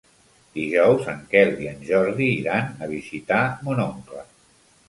Dijous en Quel i en Jordi iran a visitar mon oncle.